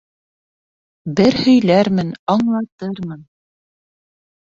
Бер һөйләрмен, аңлатырмын!